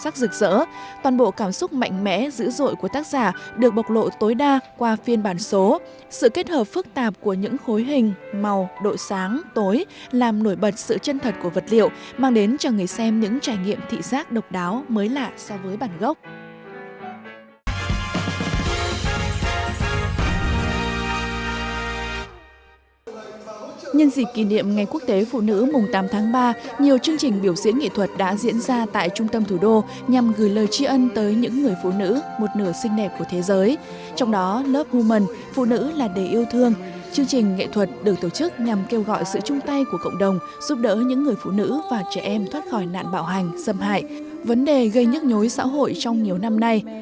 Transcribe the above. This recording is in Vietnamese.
trong đó love human phụ nữ là để yêu thương chương trình nghệ thuật được tổ chức nhằm kêu gọi sự chung tay của cộng đồng giúp đỡ những người phụ nữ và trẻ em thoát khỏi nạn bạo hành xâm hại vấn đề gây nhức nhối xã hội trong nhiều năm nay